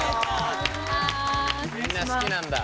みんな好きなんだ。